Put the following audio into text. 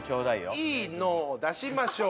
いい「の」を出しましょう。